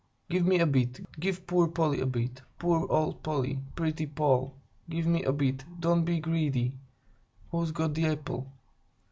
"Give me a bit! Give poor Polly a bit! Poor old Polly! Pretty Poll! Give me a bit; don't be greedy! Who's got the apple?"